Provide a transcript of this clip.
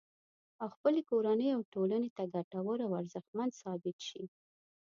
او خپلې کورنۍ او ټولنې ته ګټور او ارزښتمن ثابت شي